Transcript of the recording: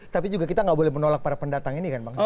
tapi juga kita nggak boleh menolak para pendatang ini kan bang